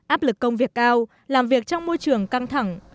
áp lực công việc cao làm việc trong môi trường căng thẳng